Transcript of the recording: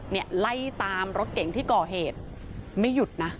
เนี่ยไล่ตามรถเก่งที่ก่อเหตุไม่หยุดนะ